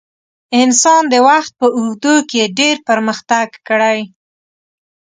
انسان د وخت په اوږدو کې ډېر پرمختګ کړی.